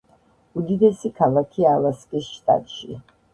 უდიდესი ქალაქია ალასკის შტატში.